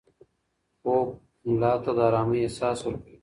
خوب ملا ته د ارامۍ احساس ورکوي.